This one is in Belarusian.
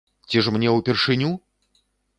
Ці ж мне ўпершыню?